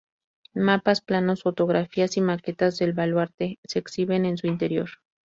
Mapas, planos, fotografías y maquetas del Baluarte se exhiben en su interior.